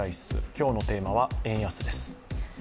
今日のテーマは円安です。